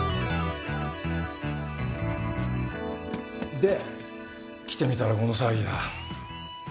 で来てみたらこの騒ぎだ。